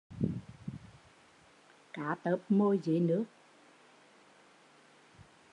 Cá tớp mồi dưới nước